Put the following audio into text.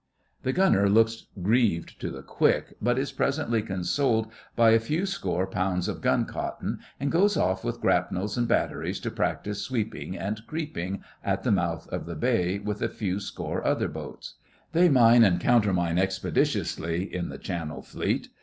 The Gunner looks grieved to the quick, but is presently consoled by a few score pounds of guncotton, and goes off with grapnels and batteries to practise 'sweeping' and 'creeping' at the mouth of the bay with a few score other boats. They mine and countermine expeditiously in the Channel Fleet.